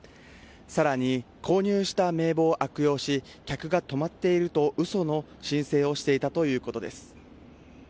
更に、購入した名簿を悪用し客が泊まっていると嘘の申請をしていたということです。